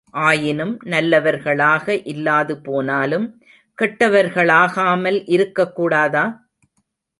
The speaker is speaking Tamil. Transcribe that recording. ஆயினும் நல்லவர்களாக இல்லாது போனாலும் கெட்டவர்களாகாமல் இருக்கக்கூடாதா?